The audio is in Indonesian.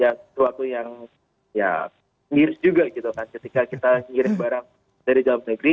ya sesuatu yang ya miris juga gitu kan ketika kita ngirim barang dari dalam negeri